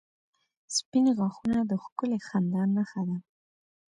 • سپین غاښونه د ښکلي خندا نښه ده.